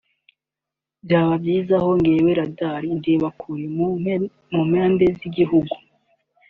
byaba byiza hongerewe radar (indebakure) mu mpande z’igihugu